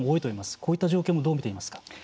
こういった状況もどう見ていますか。